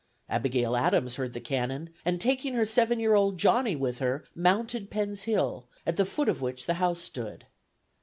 Abigail Adams heard the cannon, and taking her seven year old Johnny with her, mounted Penn's Hill, at the foot of which the house stood.